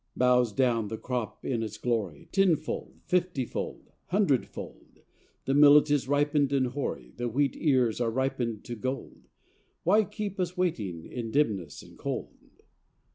Bows down the crop in its glory Tenfold, fifty fold, hundred fold ; The millet is ripened and hoary, The wheat ears are ripened to gold :— Why keep us waiting in dimness and cold